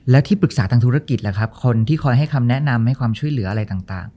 แล้วที่ปรึกษาทางธุรกิจล่ะครับคนที่คอยให้คำแนะนำให้ความช่วยเหลืออะไรต่าง